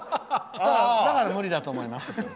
だから無理だと思いますだと。